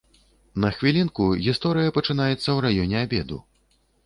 На хвілінку, гісторыя пачынаецца ў раёне абеду.